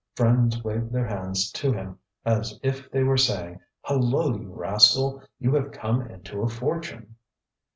Friends waved their hands to him as if they were saying: ŌĆ£Hallo! you rascal, you have come into a fortune!